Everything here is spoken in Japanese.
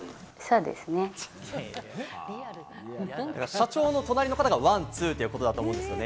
社長の隣の方がワンツーということだと思うんですよね。